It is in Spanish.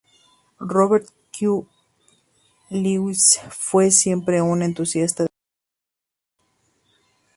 Robert Q. Lewis fue siempre un entusiasta de la música antigua.